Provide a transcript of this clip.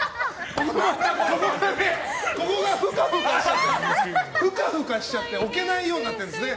ここがふかふかしちゃって置けないようになってるんですね。